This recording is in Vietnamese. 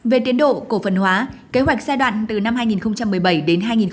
về tiến độ cổ phần hóa kế hoạch giai đoạn từ năm hai nghìn một mươi bảy đến hai nghìn hai mươi